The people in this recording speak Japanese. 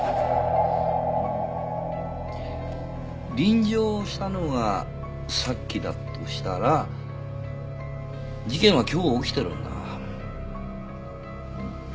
臨場したのがさっきだとしたら事件は今日起きてるんだ。